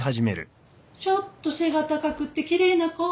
ちょっと背が高くて奇麗な子。